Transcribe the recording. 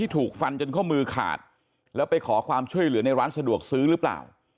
ถูกฟันจนข้อมือขาดแล้วไปขอความช่วยเหลือในร้านสะดวกซื้อหรือเปล่า